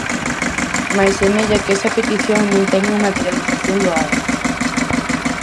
Mais semella que esa petición non ten unha materialización doada.